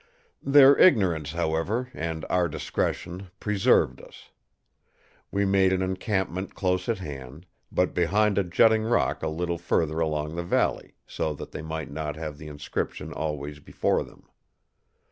"Their ignorance, however, and our discretion preserved us. We made an encampment close at hand, but behind a jutting rock a little further along the valley, so that they might not have the inscription always before them.